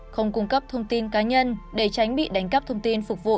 không cung cấp thông tin cá nhân để tránh bị đánh cắp thông tin phục vụ